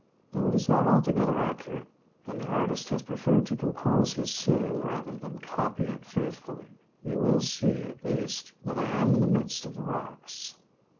Though it is not altogether accurate, and the artist has preferred to compose his scene rather than copy it faithfully, you will see at least that I am in the midst of the rocks.